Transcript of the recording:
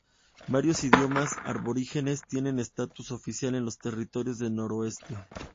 Varios idiomas aborígenes tienen estatus oficial en los Territorios del Noroeste.